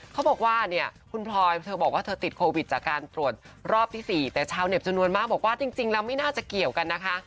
เขาบอกว่าเนี่ยคุณพลอยเธอบอกว่าเธอติดโควิดจากการตรวจรอบที่๔แต่ชาวเน็ตจำนวนมากบอกว่าจริงแล้วไม่น่าจะเกี่ยวกันนะคะ